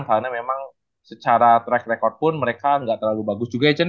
karena memang secara track record pun mereka nggak terlalu bagus juga